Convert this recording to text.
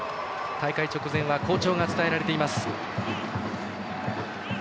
大会直前は好調が伝えられています。